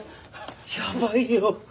やばいよ。